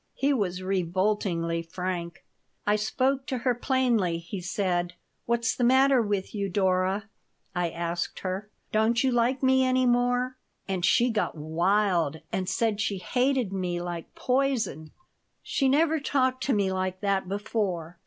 He was revoltingly frank "I spoke to her plainly," he said. "'What's the matter with you, Dora?' I asked her. 'Don't you like me any more?' And she got wild and said she hated me like poison. She never talked to me like that before.